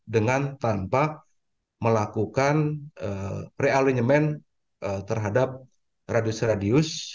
dengan tanpa melakukan pre alignment terhadap radius radius